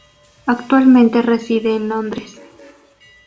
Actualmente reside en Londres.